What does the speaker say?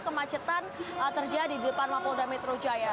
kemacetan terjadi di depan mapolda metro jaya